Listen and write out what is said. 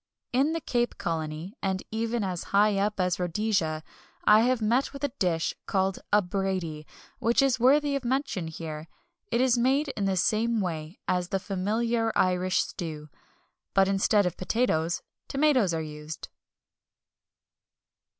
In the Cape Colony, and even as high up as Rhodesia, I have met with a dish called a Brady, which is worthy of mention here. It is made in the same way as the familiar Irish stew; but instead of potatoes tomatoes are used.